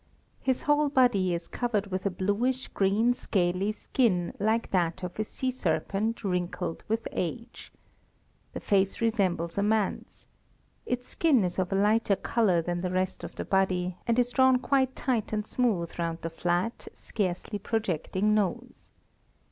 His whole body is covered with a bluish green scaly skin, like that of a sea serpent wrinkled with age. The face resembles a man's. Its skin is of a lighter colour than the rest of the body, and is drawn quite tight and smooth round the flat, scarcely projecting nose.